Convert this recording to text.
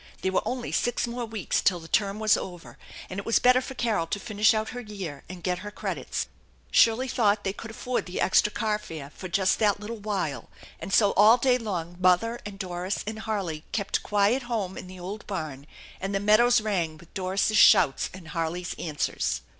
There were only six more weeks till the term was over, and it was better for Carol to finish out her year and get her credits. Shirley thought they could afford the extra carfare for just that little while, and so all 154 THE ENCHANTED BARN 155 day long mother and Doris and Harley kept quiet home in the old barn, and the meadows rang with Doris's shouts and Harley's answers.